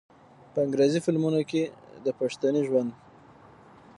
په انګرېزي فلمونو کښې د پښتني ژوند